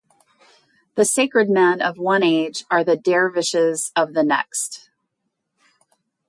The sacred men of one age are the dervishes of the next.